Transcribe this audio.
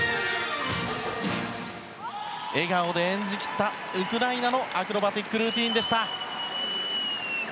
笑顔で演じ切ったウクライナのアクロバティックルーティンでした。